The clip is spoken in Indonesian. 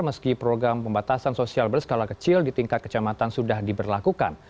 meski program pembatasan sosial berskala kecil di tingkat kecamatan sudah diberlakukan